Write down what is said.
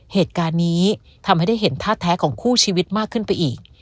เหตุการณ์นี้ทำให้ได้เห็นท่าแท้ของคู่ชีวิตมากขึ้นไปอีก